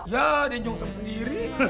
ya ada yang jongsem sendiri